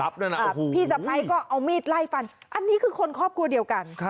พี่สะพ้ายก็เอามีดไล่ฟันอันนี้คือคนครอบครัวเดียวกัน